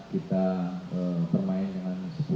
kita bermain dengan